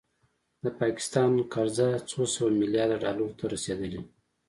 د پاکستان قرضه څو سوه میلیارده ډالرو ته رسیدلې